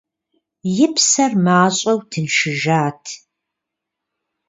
И псэр мащӀэу тыншыжат…